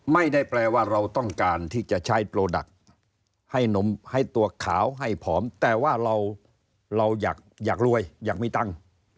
ไม่ได้แปลว่าเราต้องการที่จะใช้โปรดักต์ให้นมให้ตัวขาวให้ผอมแต่ว่าเราอยากรวยอยากมีตังค์